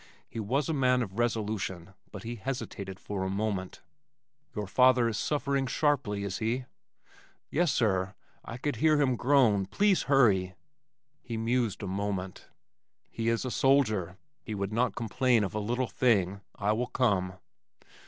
He was a man of resolution but he hesitated for a moment. "Your father is suffering sharply, is he?" "Yes, sir. I could hear him groan. Please hurry." He mused a moment. "He is a soldier. He would not complain of a little thing I will come."